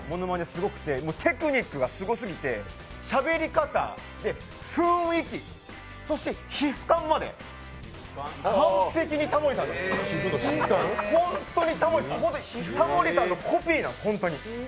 すごくて、テクニックがすごくてしゃべり方、雰囲気、そして皮膚感まで、完璧にタモリさん、タモリさんのコピーなんですよ。